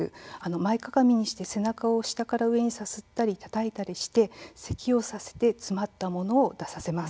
前かがみにして背中を下から上にさすったり軽くたたいたりして詰まったものを出させます。